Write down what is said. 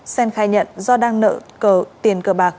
sen khai nhận do đang nợ tiền cờ bán